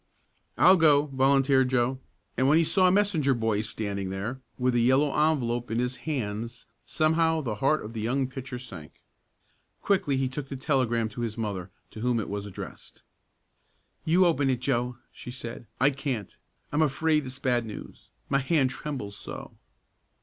"I'll go," volunteered Joe, and when he saw a messenger boy standing there, with a yellow envelope in his hands somehow the heart of the young pitcher sank. Quickly he took the telegram to his mother, to whom it was addressed. "You open it, Joe," she said. "I can't. I'm afraid it's bad news. My hand trembles so."